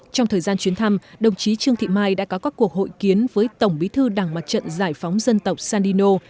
trong thời gian chuyến thăm đồng chí trương thị mai đã có các cuộc hội kiến với tổng bí thư đảng mặt trận giải phóng dân tộc sandino